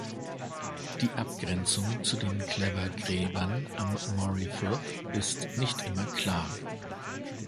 Die Abgrenzung zu den Clava-Gräbern am Moray Firth ist nicht immer klar.